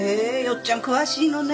義ちゃん詳しいのね